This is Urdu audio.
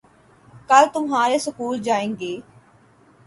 کل تمہارے سکول جائیں گے